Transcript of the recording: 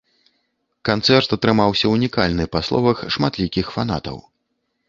Канцэрт атрымаўся унікальны, па словах шматлікіх фанатаў.